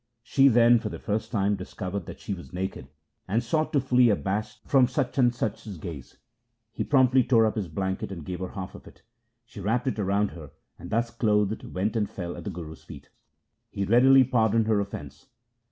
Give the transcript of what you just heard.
She then for the first time discovered that she was naked, and sought to flee abashed from Sachansach's gaze. He promptly tore up his blanket and gave her half of it. She wrapped it round her, and thus clothed went and fell at the Guru's feet. He readily pardoned her offence.